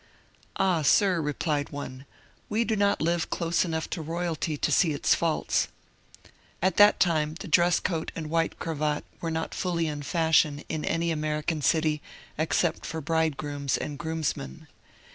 " Ah, sir," replied one, " we do not live dose enough to roy alty to see its faults." At that time the dress coat and white cravat were not fully in fashion in any American city except for bridegrooms and groomsmen.